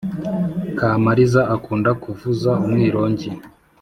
kamariza akunda kuvuza umwirongi